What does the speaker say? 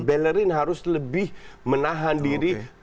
bellerin harus lebih menahan diri tidak terlalu ketinggalan